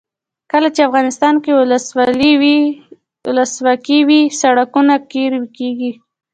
کله چې افغانستان کې ولسواکي وي سړکونه قیر کیږي.